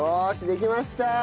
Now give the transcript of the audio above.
できました。